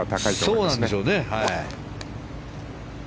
そうなんでしょうね。